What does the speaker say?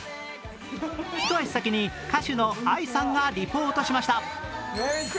一足先に歌手のＡＩさんがリポートしました。